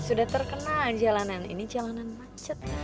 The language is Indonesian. sudah terkenal jalanan ini jalanan macet